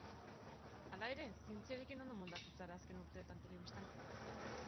Hala ere, zientziarekin ondo moldatu zara azken urteetan telebistan.